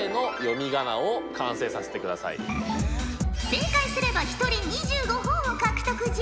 正解すれば１人２５ほぉを獲得じゃ。